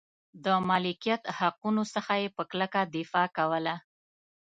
د مالکیت حقونو څخه یې په کلکه دفاع کوله.